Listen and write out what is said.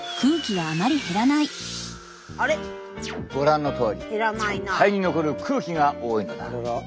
ご覧のとおり肺に残る空気が多いのだ。